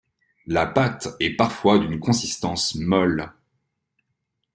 La pâte est parfois d'une consistance molle.